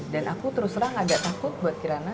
dan aku terus terang agak takut buat kirana